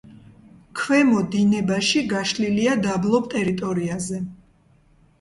ქვემო დინებაში გაშლილია დაბლობ ტერიტორიაზე.